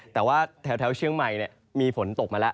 แต่ว่าแถวเชียงใหม่มีฝนตกมาแล้ว